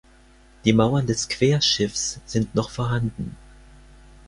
Die Mauern des Querschiffs sind noch vorhanden.